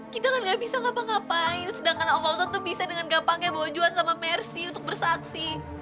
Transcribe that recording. kita kan gak bisa ngapa ngapain sedangkan om fauzon tuh bisa dengan gampangnya bawa juan sama mercy untuk bersaksi